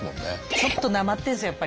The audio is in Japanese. ちょっとなまってんすよやっぱり。